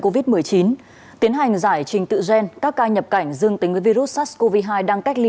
covid một mươi chín tiến hành giải trình tự gen các ca nhập cảnh dương tính với virus sars cov hai đang cách ly